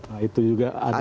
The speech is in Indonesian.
nah itu juga ada